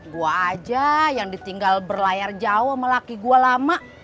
gue aja yang ditinggal berlayar jauh sama laki gue lama